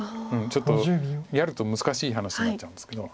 ちょっとやると難しい話になっちゃうんですけど。